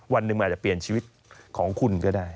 วันหนึ่งมันอาจจะเปลี่ยนชีวิตของคุณก็ได้